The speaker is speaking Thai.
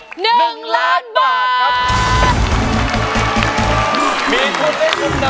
มีผู้เป็นคนทำเป็นสู้ชีวิต